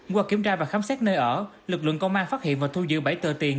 qua kiểm tra và khám xét nơi ở lực lượng công an phát hiện và thu giữ bảy tờ tiền